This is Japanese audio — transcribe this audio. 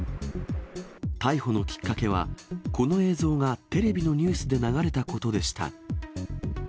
逮捕のきっかけは、この映像がテレビのニュースで流れたことでした。